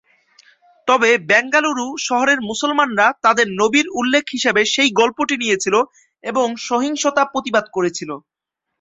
তবে, বেঙ্গালুরু শহরের মুসলমানরা তাদের নবীর উল্লেখ হিসাবে সেই গল্পটি নিয়েছিল এবং সহিংসতার প্রতিবাদ করেছিল।